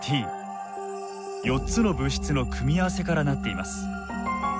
４つの物質の組み合わせから成っています。